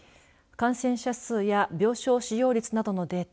感染者数や病床使用率などのデータ